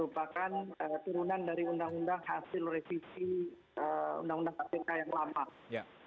bahkan turunan dari undang undang hasil revisi undang undang kpk yang lama